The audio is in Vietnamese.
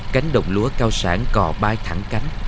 cánh đồng lúa cao sản cò bay thẳng cánh